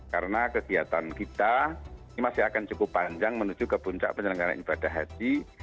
karena kegiatan kita ini masih akan cukup panjang menuju ke puncak penyelenggaraan ibadah haji